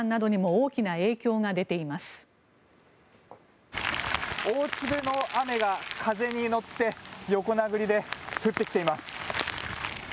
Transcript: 大粒の雨が風に乗って横殴りで降ってきています。